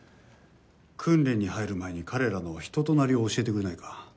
訓練に入る前に彼らの人となりを教えてくれないか？